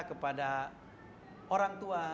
kepada orang tua